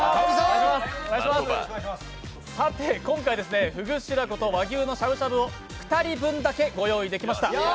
今回、フグ白子と和牛のしゃぶしゃぶを２人分だけご用意できました。